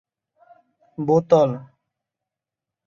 প্রথম সংস্করণটি কেরালার কিং জিতেছিল।